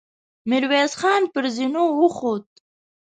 ميرويس خان پر زينو وخوت.